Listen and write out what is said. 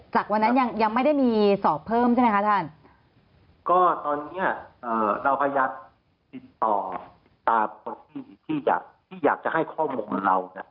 จากวันนั้นยังยังไม่ได้มีสอบเพิ่มใช่ไหมคะท่านก็ตอนนี้เราพยายามติดต่อตามคนที่ที่อยากที่อยากจะให้ข้อมูลเหมือนเราเนี่ย